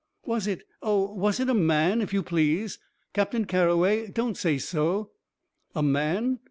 "Was it oh, was it a man, if you please? Captain Carroway, don't say so." "A man?